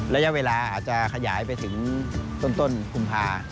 ระยะเวลาอาจจะขยายไปถึงต้นกุมภา